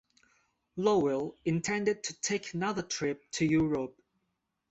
Lowell intended to take another trip to Europe.